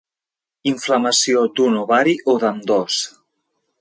Inflamació d'un ovari o d'ambdós.